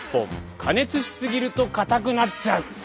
加熱し過ぎるとかたくなっちゃう。